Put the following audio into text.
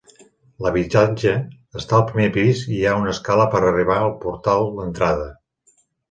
L'habitatge està al primer pis i hi ha una escala per arribar al portal d'entrada.